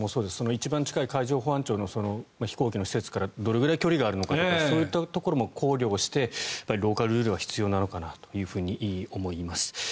一番近い海上保安庁の飛行機の施設からどれぐらい距離があるのかとかそういったところも考慮してローカルルールは必要なのかなと思います。